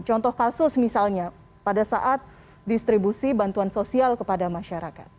contoh kasus misalnya pada saat distribusi bantuan sosial kepada masyarakat